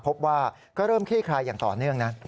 พบว่าก็เริ่มคลี่คลายอย่างต่อเนื่องนะ